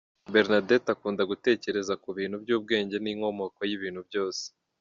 Bernadette akunda gutekereza ku bintu by’ubwenge n’inkomoko y’ibintu byose.